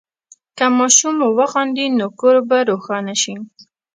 که ماشوم وخاندي، نو کور به روښانه شي.